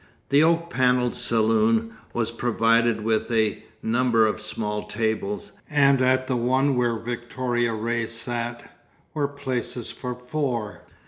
The oak panelled saloon was provided with a number of small tables, and at the one where Victoria Ray sat, were places for four.